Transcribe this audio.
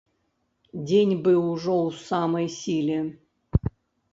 Дзень быў ужо ў самай сіле.